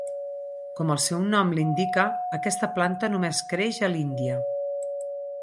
Com el seu nom l'indica, aquesta planta només creix a l'Índia.